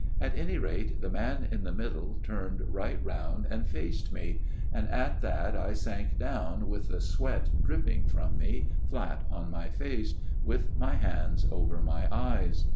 At any rate, the man in the middle turned right round and faced me, and at 280 A MIRROR OF SHALOTT that I sank down, with the sweat dripping from me, flat on my face, with my hands over my eyes.